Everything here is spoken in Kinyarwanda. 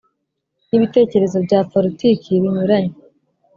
N’ibitekerezo bya politiki binyuranye,